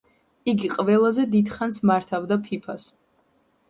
იგი ყველაზე დიდხანს მართავდა ფიფას.